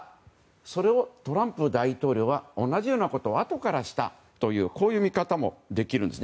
それをトランプ大統領は同じようなことをあとからしたというこういう見方もできるんです。